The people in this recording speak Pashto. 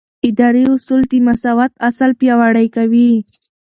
اداري اصول د مساوات اصل پیاوړی کوي.